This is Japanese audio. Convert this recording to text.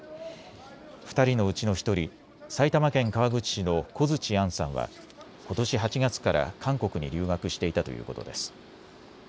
２人のうちの１人、埼玉県川口市の小槌杏さんはことし８月から韓国に留学していたということです。